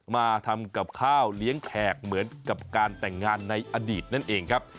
มาทำกับข้าวเลี้ยงแขกเหมือนกับการแต่งงานในอดีตนั่นเองครับ